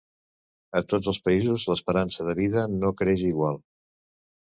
A tots els països l'esperança de vida no creix igual